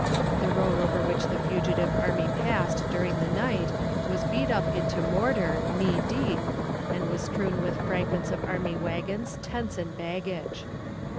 The road over which the fugitive army passed during the night was beat up into mortar, knee deep, and was strewn with fragments of army wagons, tents and baggage.